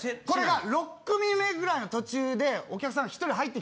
これが６組目ぐらいの途中で。